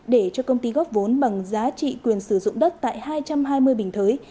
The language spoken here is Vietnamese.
để cho công ty góp vốn bằng giá trị quyền sử dụng đất tại hai trăm hai mươi bình thới